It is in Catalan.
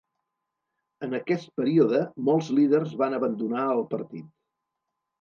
En aquest període molts líders van abandonar el partit.